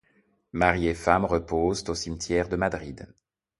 Mari et femme reposent au cimetière de Madrid.